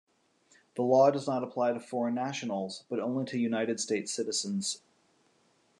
The law does not apply to foreign nationals, but only to United States citizens.